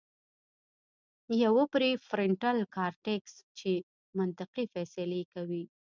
يوه پري فرنټل کارټيکس چې منطقي فېصلې کوي